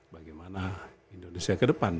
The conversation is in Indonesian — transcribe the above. bagaimana indonesia ke depan